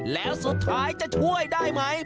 แล้วสุดท้ายจะช่วยได้ไหม